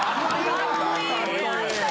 かっこいいな